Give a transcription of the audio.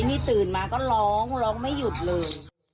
นี่ตื่นมาก็ร้องร้องไม่หยุดเลย